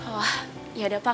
oh ya udah pak